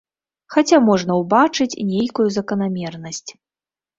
Хаця можна ўбачыць нейкую заканамернасць.